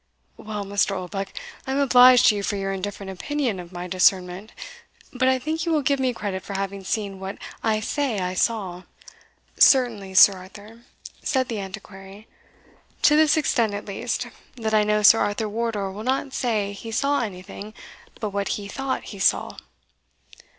"Well, Mr. Oldbuck, I am obliged to you for your indifferent opinion of my discernment; but I think you will give me credit for having seen what I say I saw." "Certainly, Sir Arthur," said the Antiquary, "to this extent at least, that I know Sir Arthur Wardour will not say he saw anything but what he thought he saw."